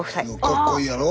かっこいいやろ？